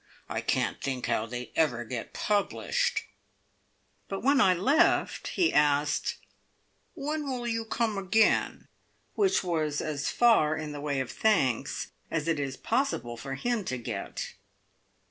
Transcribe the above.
I can't think how they ever get published!" but when I left, he asked, "When will you come again?" which was as far in the way of thanks as it is possible for him to get.